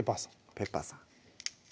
ペッパーさん